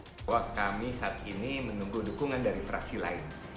bahwa kami saat ini menunggu dukungan dari fraksi lain